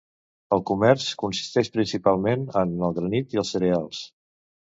El comerç consisteix principalment en el granit i els cereals.